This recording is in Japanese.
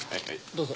どうぞ。